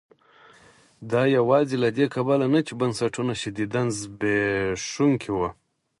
دا یوازې له دې کبله نه چې بنسټونه شدیداً زبېښونکي وو.